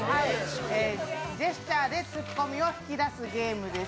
ジェスチャーでツッコミを引き出すゲームです